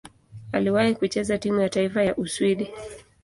Aliwahi kucheza timu ya taifa ya Uswidi.